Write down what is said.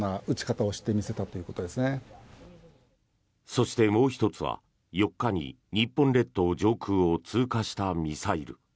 そして、もう１つは４日に日本列島上空を通過したミサイル。